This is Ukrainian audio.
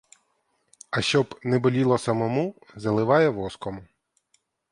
А щоб не боліло самому, заливає воском.